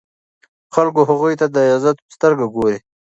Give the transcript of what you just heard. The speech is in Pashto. خلک هغوی ته د عزت په سترګه ګوري.